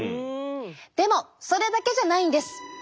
でもそれだけじゃないんです。